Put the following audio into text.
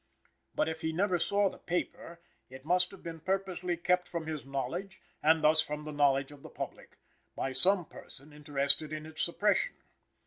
But, if he never saw the paper, it must have been purposely kept from his knowledge, and thus from the knowledge of the public, by some person interested in its suppression.